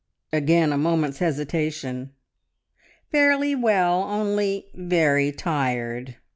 Again a moment's hesitation. "Fairly well, only ... Very tired."